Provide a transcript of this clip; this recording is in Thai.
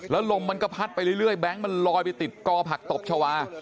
แล้วลมมันก็พัดไปเรื่อยแบงค์มันลอยไปติดกอผักตบชาวา